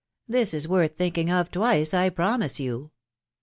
That is worth thinking of twice, I promise you."